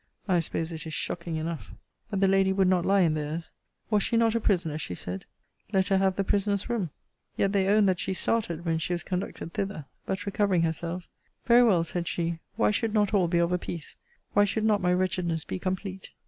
I suppose it is shocking enough. But the lady would not lie in theirs. Was she not a prisoner? she said let her have the prisoner's room. Yet they owned that she started, when she was conducted thither. But recovering herself, Very well, said she why should not all be of a piece? Why should not my wretchedness be complete?